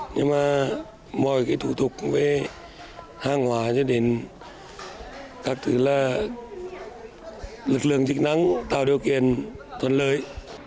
nhưng mà mọi cái thủ tục về hàng hóa cho đến các thứ là lực lượng chức năng tạo điều kiện thuận lợi